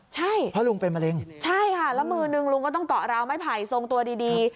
ใช่ใช่ค่ะแล้วมือหนึ่งลุงก็ต้องเกาะราวไม่ไผ่ทรงตัวดี